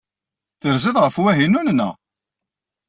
Terziḍ ɣef Wahinun, naɣ?